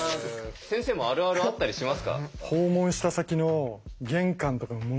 先生もあるあるあったりしますか？